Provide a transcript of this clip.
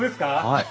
はい。